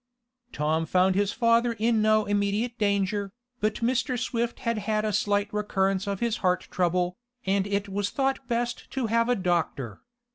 Tom found his father in no immediate danger, but Mr. Swift had had a slight recurrence of his heart trouble, and it was thought best to have a doctor.